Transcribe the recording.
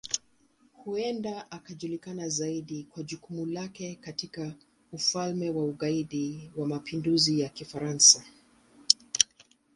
Huenda anajulikana zaidi kwa jukumu lake katika Ufalme wa Ugaidi wa Mapinduzi ya Kifaransa.